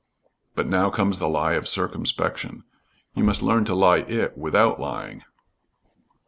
But now comes the lie of circumspection. You must learn to lie it without lying.